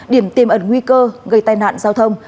điểm tiềm ẩn nguy cơ gây tai nạn giao thông